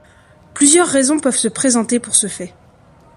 Plusieurs raisons peuvent se présenter pour ce fait.